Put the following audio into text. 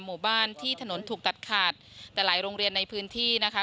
หมู่บ้านที่ถนนถูกตัดขาดแต่หลายโรงเรียนในพื้นที่นะคะ